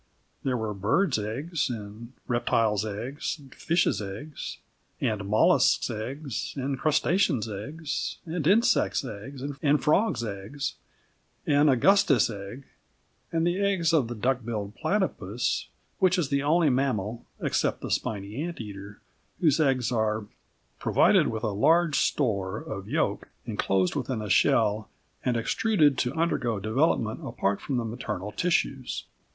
There were birds' eggs, and reptiles' eggs, and fishes' eggs, and molluscs' eggs, and crustaceans' eggs, and insects' eggs, and frogs' eggs, and Augustus Egg, and the eggs of the duck billed platypus, which is the only mammal (except the spiny ant eater) whose eggs are "provided with a large store of yolk, enclosed within a shell, and extruded to undergo development apart from the maternal tissues."